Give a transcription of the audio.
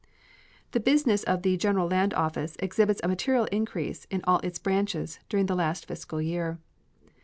The business of the General Land Office exhibits a material increase in all its branches during the last fiscal year.